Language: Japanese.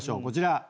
こちら。